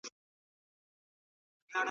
انا خپل لمونځ نه ماتوي او پر ځای ولاړه ده.